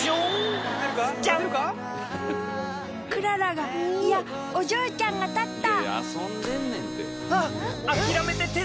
クララがいやおジョーちゃんが立った！